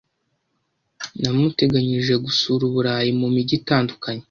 Namuteganyirije gusura Uburayi mu mijyi itandukanye.